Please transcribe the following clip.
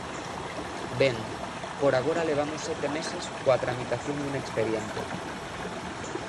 Ben, por agora levamos sete meses coa tramitación dun expediente.